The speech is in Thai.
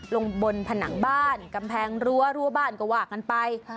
ลงบนผนังบ้านกำแพงรั้วรั้วบ้านก็ว่ากันไป